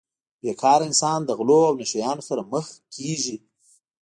بې کاره انسان له غلو او نشه یانو سره مخ کیږي